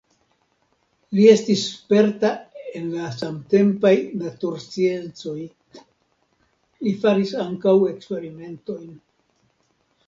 Li estis sperta en la samtempaj natursciencoj, li faris ankaŭ eksperimentojn.